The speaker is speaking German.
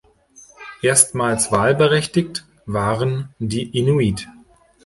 Erstmals wahlberechtigt waren die Inuit.